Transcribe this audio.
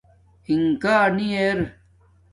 اِنکار نی اِر